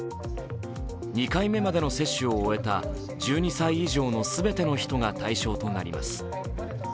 ２回目までの接種を終えた１２歳以上のすべての人が対象となります。